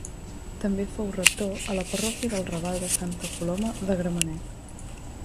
També fou rector a la parròquia del Raval de Santa Coloma de Gramenet.